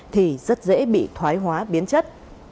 thì rất dễ bị thoái hóa biến chất